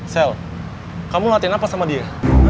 sel kamu latihan apa sama dia